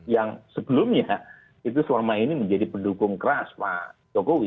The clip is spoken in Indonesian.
yang sebelumnya itu selama ini menjadi pendukung keras pak jokowi